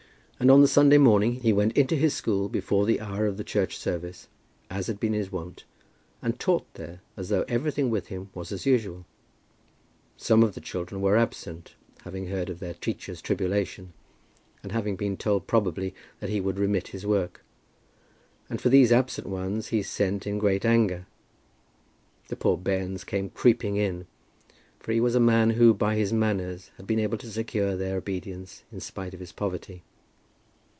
And on the Sunday morning he went into his school before the hour of the church service, as had been his wont, and taught there as though everything with him was as usual. Some of the children were absent, having heard of their teacher's tribulation, and having been told probably that he would remit his work; and for these absent ones he sent in great anger. The poor bairns came creeping in, for he was a man who by his manners had been able to secure their obedience in spite of his poverty.